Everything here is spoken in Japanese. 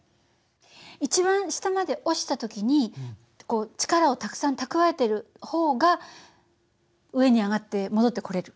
一番下まで落ちた時に力をたくさん蓄えている方が上に上がって戻ってこれる。